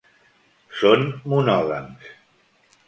Són monògams.